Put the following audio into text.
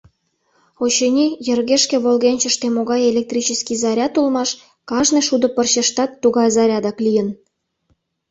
Очыни, йыргешке волгенчыште могай электрический заряд улмаш, кажне шудо пырчыштат тугай зарядак лийын.